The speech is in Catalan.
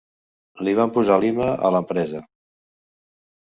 Li van posar Lima, a l'empresa!